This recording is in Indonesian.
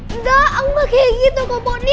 enggak aku gak kayak gitu kok boni